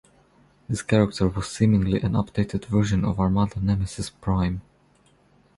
This character was seemingly an updated version of "Armada" Nemesis Prime.